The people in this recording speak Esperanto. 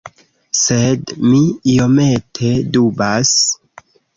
Sed mi iomete dubas.